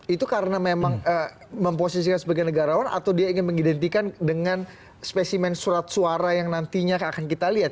itu karena memang memposisikan sebagai negarawan atau dia ingin mengidentikan dengan spesimen surat suara yang nantinya akan kita lihat